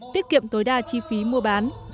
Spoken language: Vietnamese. tiết kiệm tối đa chi phí mua bán